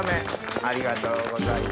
ありがとうございます。